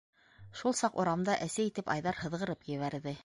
Шул саҡ урамда әсе итеп Айҙар һыҙғырып ебәрҙе.